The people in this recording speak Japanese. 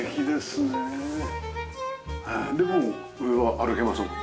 でも上は歩けますもんね？